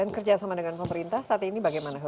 dan kerjasama dengan pemerintah saat ini bagaimana